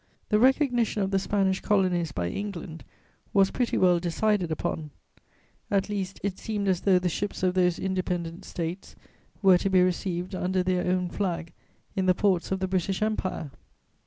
The recognition of the Spanish Colonies by England was pretty well decided upon; at least it seemed as though the ships of those independent States were to be received under their own flag in the ports of the British Empire.